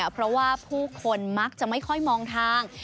เพราะว่าผู้คนมักจะไม่ค่อยมองทาง